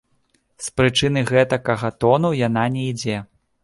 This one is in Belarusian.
З прычыны гэтакага тону яна не ідзе.